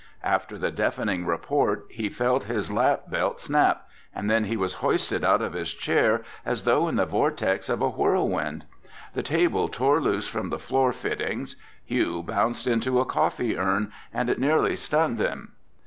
After the deafening report, he felt his lap belt snap, and then he was hoisted out of his chair as though in the vortex of a whirlwind. The table tore loose from the floor fittings. Hugh bounced into a coffee urn and it nearly stunned him.